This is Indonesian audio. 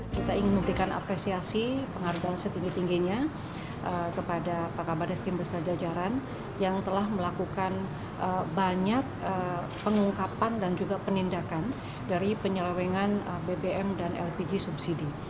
kita ingin memberikan apresiasi pengaruhan setinggi tingginya kepada pakabaris krim bersajajaran yang telah melakukan banyak pengungkapan dan juga penindakan dari penyelewengan bbm dan lpg subsidi